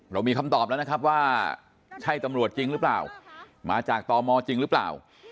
เรามีคำตอบแล้วนะครับว่าใช่ตำรวจจริงหรือเปล่ามาจากตมจริงหรือเปล่า